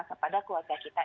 kepada keluarga kita